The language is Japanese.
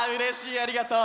ありがとう！